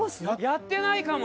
やってないかも。